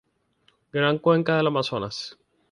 Gran Cuenca del Amazonas.